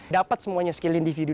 dapat semuanya skill individu